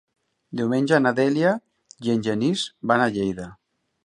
Diumenge na Dèlia i en Genís van a Lleida.